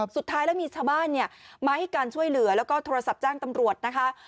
สุดท้ายแล้วมีชาวบ้านมาให้การช่วยเหลือแล้วก็โทรศัพท์แจ้งตำรวจนะคะ